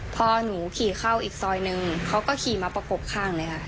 พอหนูขี่เข้าอีกซอยนึงเขาก็ขี่มาประกบข้างเลยค่ะ